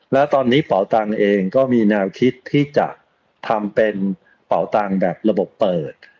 และตอนนี้เป่าตังเองก็มีแนวคิดที่จะทำเป็นเป่าตังค์แบบระบบเปิด